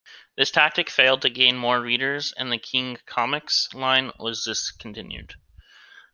This tactic failed to gain more readers, and the King Comics line was discontinued.